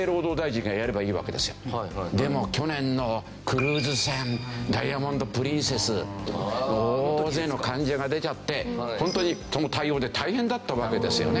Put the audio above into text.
でも去年のクルーズ船ダイヤモンド・プリンセス大勢の患者が出ちゃってホントにその対応で大変だったわけですよね。